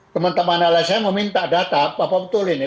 teman teman lsm meminta data apa betul ini